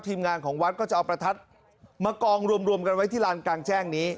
ทีมงานของวัดก็จะเอาประทัดมากองรวมกันไว้ที่ลานกลางแจ้งนี้